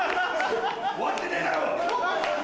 終わってねえだろ！